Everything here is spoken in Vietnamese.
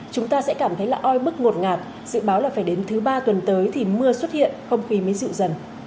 chúng ta sẽ cảm thấy là oi bức ngột ngạt dự báo là phải đến thứ ba tuần tới thì mưa xuất hiện không khí mới dịu dần